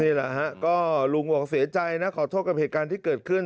นี่แหละฮะก็ลุงบอกเสียใจนะขอโทษกับเหตุการณ์ที่เกิดขึ้น